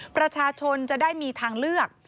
ประชาชนจะได้มีทางเลือก